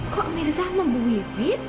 kok mirza membuyibit